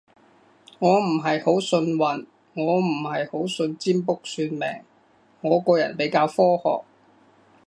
我唔係好信運，我唔係好信占卜算命，我個人比較科學